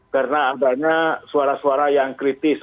karena adanya suara suara yang kritis